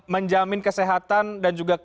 menjamin kesehatan dan juga